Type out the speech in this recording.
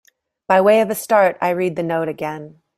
By way of a start, I read the note again.